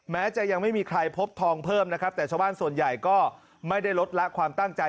แม้จะยังไม่มีใครพบทองเพิ่มนะครับแต่ชาวบ้านส่วนใหญ่ก็ไม่ได้ลดละความตั้งใจ